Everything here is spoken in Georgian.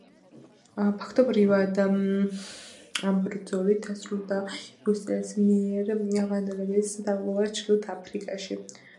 ფაქტობრივად ამ ბრძოლით დასრულდა იუსტინიანეს მიერ ვანდალების დაპყრობა ჩრდილოეთ აფრიკაში.